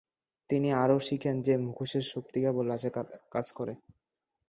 তিনি আরও শিখেন যে মুখোশের শক্তি কেবল রাতে কাজ করে।